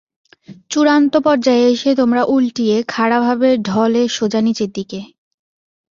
চূড়ান্ত পর্যায়ে এসে, তোমরা উল্টিয়ে খাড়াভাবে ঢলে সোজা নিচের দিকে।